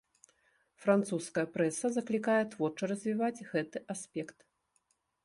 Французская прэса заклікае творча развіваць гэты аспект.